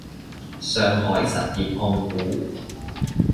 上海實業控股